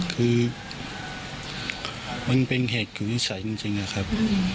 คือมันเป็นเหตุคือวิสัยจริงนะครับ